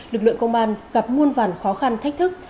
lực lượng công an gặp muôn vàn khó khăn thách thức